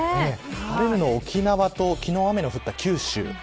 沖縄と、昨日雨の降った九州